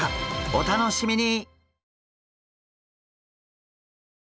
お楽しみに！